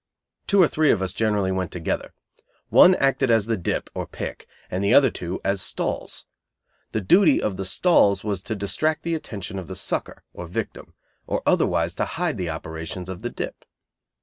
Two or three of us generally went together. One acted as the "dip," or "pick," and the other two as "stalls." The duty of the "stalls" was to distract the attention of the "sucker" or victim, or otherwise to hide the operations of the "dip".